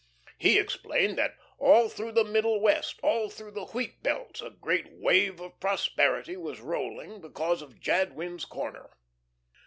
He explained that all through the Middle West, all through the wheat belts, a great wave of prosperity was rolling because of Jadwin's corner.